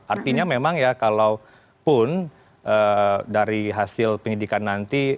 artinya memang ya kalau pun dari hasil pendidikan nanti